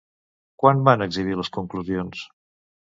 Quan van exhibir les conclusions?